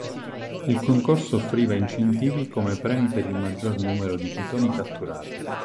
Il concorso offriva incentivi come premi per il maggior numero di pitoni catturati.